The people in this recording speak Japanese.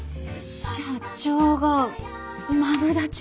社長がマブダチ。